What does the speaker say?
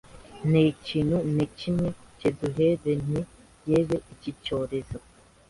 nte kintu ne kimwe cyeduherene yebe iki cyorezo